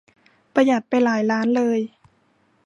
ประหยัดไปหลายล้านเลย